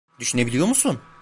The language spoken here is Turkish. Düşünebiliyor musun?